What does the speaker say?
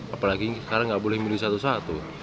apalagi sekarang nggak boleh milih satu satu